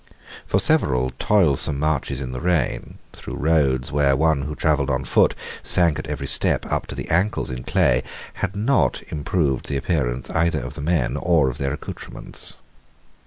For several toilsome marches in the rain, through roads where one who travelled on foot sank at every step up to the ancles in clay, had not improved the appearance either of the men or of their accoutrements.